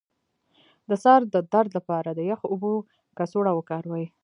د سر د درد لپاره د یخو اوبو کڅوړه وکاروئ